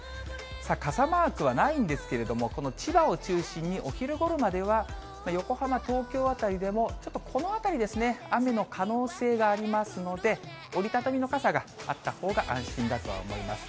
傘マークはないんですけれども、この千葉を中心にお昼ごろまでは横浜、東京辺りでも、ちょっとこの辺りですね、雨の可能性がありますので、折り畳みの傘があったほうが安心だとは思います。